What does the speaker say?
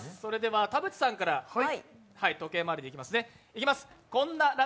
田渕さんから時計回りにいきます。